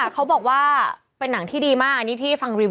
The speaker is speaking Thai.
เป็นการกระตุ้นการไหลเวียนของเลือด